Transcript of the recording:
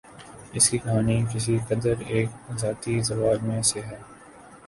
اس کی کہانی کسی قدر ایک ذاتی زوال میں سے ہے